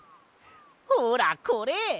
ほらこれ！